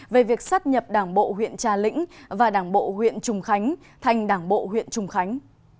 về việc sát nhập đảng bộ huyện trà lĩnh và đảng bộ huyện trùng khánh thành đảng bộ huyện trùng khánh